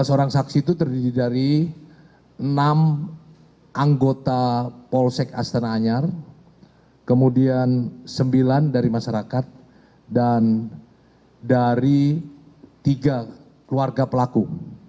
tiga belas orang saksi itu terdiri dari enam anggota polsek astana anyar kemudian sembilan dari masyarakat dan dari tiga keluarga pelaku